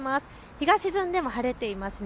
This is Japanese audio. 日が沈んでも晴れていますね。